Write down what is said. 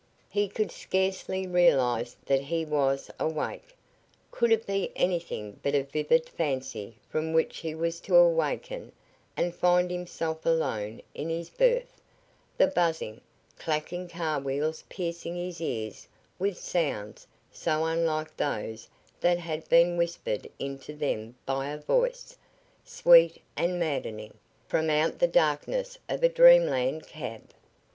He could scarcely realize that he was awake. Could it be anything but a vivid fancy from which he was to awaken and find himself alone in his berth, the buzzing, clacking carwheels piercing his ears with sounds so unlike those that had been whispered into them by a voice, sweet and maddening, from out the darkness of a dreamland cab?